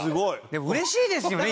でもうれしいですよね